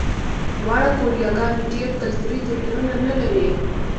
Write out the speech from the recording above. دواړه کوریاګانې ډېر کلتوري توپیرونه نه لري.